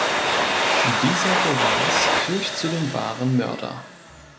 Dieser Beweis führt zu dem wahren Mörder.